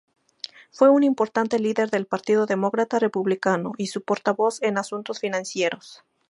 Fue un importante líder del Partido Demócrata Republicano, y su portavoz en asuntos financieros.